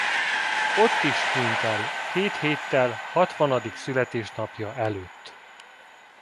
Ott is hunyt el két héttel hatvanadik születésnapja előtt.